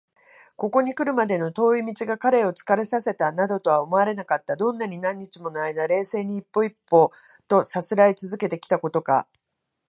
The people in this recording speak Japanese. ここにくるまでの遠い道が彼を疲れさせたなどとは思われなかった。どんなに何日ものあいだ、冷静に一歩一歩とさすらいつづけてきたことか！